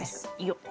よっ。